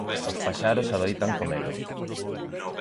Os paxaros adoitan comelos.